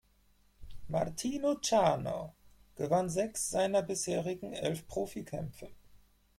Martino Ciano gewann sechs seiner bisherigen elf Profikämpfe.